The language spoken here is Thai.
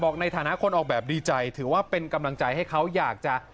ในฐานะคนออกแบบดีใจถือว่าเป็นกำลังใจให้เขาอยากจะ